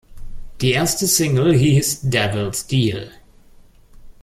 Die erste Single hieß "Devil's Deal".